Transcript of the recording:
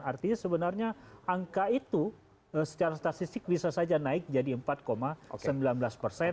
artinya sebenarnya angka itu secara statistik bisa saja naik jadi empat sembilan belas persen